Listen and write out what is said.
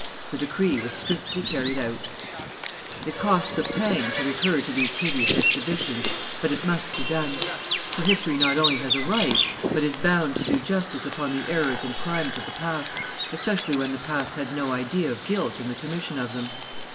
The decree was strictly carried out. [Illustration: Burning of Reformers at Meaux 188] It costs a pang to recur to these hideous exhibitions, but it must be done; for history not only has a right, but is bound to do justice upon the errors and crimes of the past, especially when the past had no idea of guilt in the commission of them.